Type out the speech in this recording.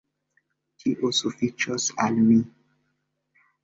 Tio sufiĉos al mi.